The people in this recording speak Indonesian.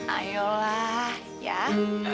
ayolah ya oke